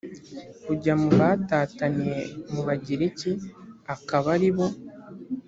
kujya mu batataniye mu bagiriki akaba ari bo